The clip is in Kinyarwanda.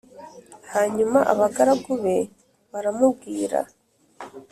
Hanyuma abagaragu be baramubwira